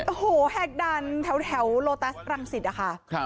โอ้โหแฮกดันแถวโลตัสรังสิทธิ์อ่ะค่ะ